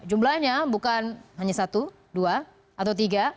jumlahnya bukan hanya satu dua atau tiga